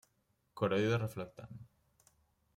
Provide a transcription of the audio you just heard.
Coroide Reflectant: